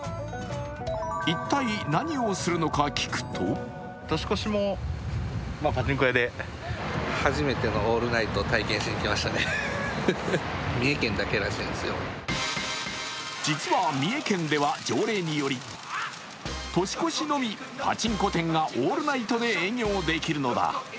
一体何をするのか聞くと実は三重県では条例により、年越しのみパチンコ店がオールナイトで営業できるのだ。